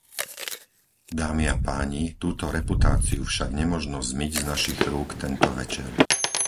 Dámy a páni, túto reputáciu však nemožno zmyť z našich rúk tento večer.